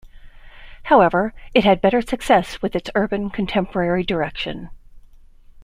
However, it had better success with its Urban Contemporary direction.